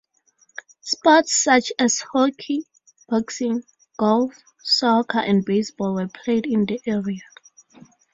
Sports such as hockey, boxing, golf, soccer and baseball were played in the area.